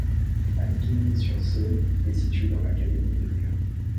Albigny-sur-Saône est située dans l'académie de Lyon.